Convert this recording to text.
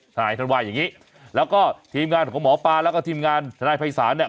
ใช่ท่านว่าอย่างนี้แล้วก็ทีมงานของหมอปลาแล้วก็ทีมงานทนายภัยศาลเนี่ย